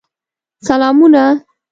سلامونه